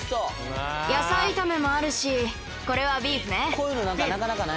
野菜炒めもあるしこれはビーフねビーフ